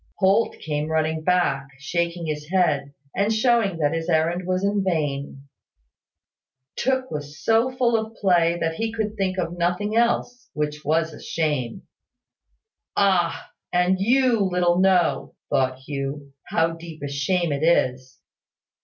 Holt came running back, shaking his head, and showing that his errand was in vain. Tooke was so full of play that he could think of nothing else; which was a shame. "Ah! And you little know," thought Hugh, "how deep a shame it is."